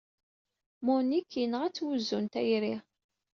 Monique yenɣa-tt wuzzu n tayri.